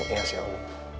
iya sih om